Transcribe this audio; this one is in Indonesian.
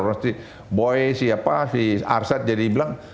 orang si boy si apa si arsad jadi bilang